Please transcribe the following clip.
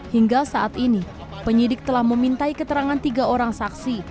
hingga saat ini penyidik telah memintai keterangan tiga orang saksi